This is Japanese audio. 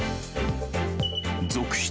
続出！